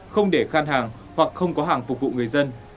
không để khan hàng hoặc không có hàng phục vụ người dân